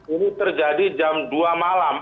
ini terjadi jam dua malam